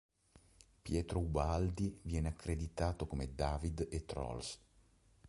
Pietro Ubaldi viene accreditato come "David" e "Trolls.